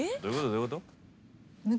どういうこと？